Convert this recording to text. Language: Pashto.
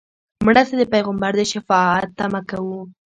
مړه ته د پیغمبر د شفاعت تمه کوو